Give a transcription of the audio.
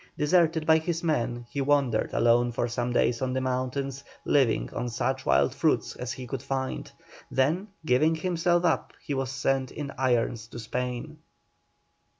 Deserted by his men he wandered alone for some days on the mountains, living on such wild fruits as he could find, then giving himself up he was sent in irons to Spain.